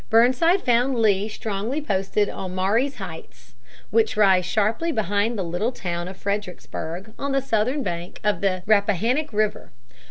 Burnside found Lee strongly posted on Marye's Heights, which rise sharply behind the little town of Fredericksburg on the southern bank of the Rappahannock River.